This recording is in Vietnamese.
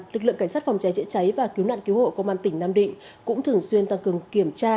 lực lượng cảnh sát phòng cháy chữa cháy và cứu nạn cứu hộ công an tỉnh nam định cũng thường xuyên tăng cường kiểm tra